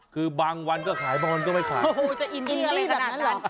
คือบางวันก็ขายบอลก็ไม่ขายโอ้โหจะอินดีอะไรขนาดนั้น